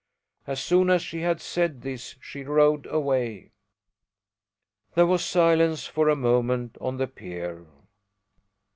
As soon as she had said this she rowed away." There was silence for a moment on the pier.